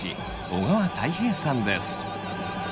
小川泰平さんです。